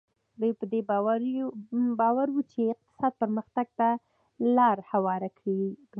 دوی په دې باور وو چې اقتصادي پرمختګ ته لار هواره کړي.